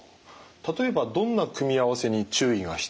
例えばどんな組み合わせに注意が必要ですか？